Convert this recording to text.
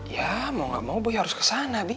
ya mau gak mau boy harus ke sana bi